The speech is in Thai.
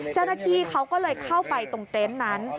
เจ้าหน้าที่เขาก็เลยเข้าไปตรงเต็นต์นั้น